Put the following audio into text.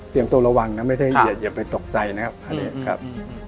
เตรียมตัวระหว่างนะอย่าไปตกใจนะครับ